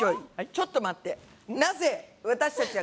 ちょっと待って！